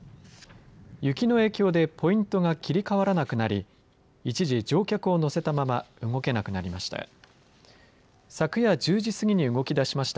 雪の影響でポイントが切り替わらなくなり一時、乗客を乗せたまま動けなくなりました。